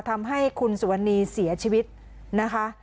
ทำให้คุณสุวรรณีเสียชีวิตนะคะ